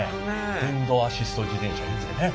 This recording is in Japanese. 電動アシスト自転車っていうね。